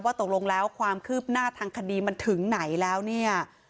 ตกลงแล้วความคืบหน้าทางคดีมันถึงไหนแล้วเนี่ย